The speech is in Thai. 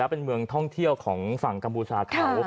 เป็นเมืองท่องเที่ยวของฝั่งกัมพูชาเขา